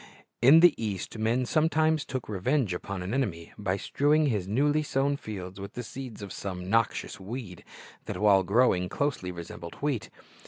In the East, men sometimes took revenge upon an enemy by strewing his newly sown fields with the seeds of some noxious weed that, while growing, closely resembled wheat.